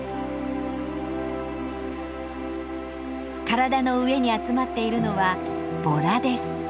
体の上に集まっているのはボラです。